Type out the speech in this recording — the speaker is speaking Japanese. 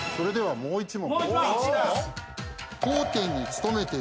もう１問。